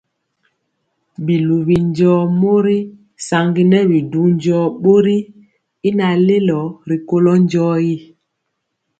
Biluwi njɔɔ mori saŋgi nɛ bi du njɔɔ bori y naŋ lelo rikolo njɔɔtyi.